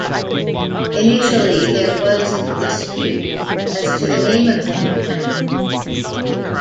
Initially, there was dispute as to the name of the new town.